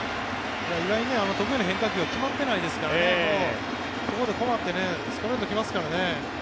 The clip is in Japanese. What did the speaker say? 意外に得意の変化球が決まってないですからここで困ってストレート来ますからね。